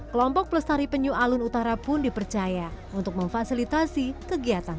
kelompok pelestari penyu alun utara pun dipercaya untuk memfasilitasi kegiatan